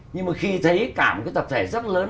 nhưng mà khi thấy cả một cái tập thể rất lớn